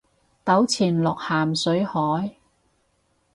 倒錢落咸水海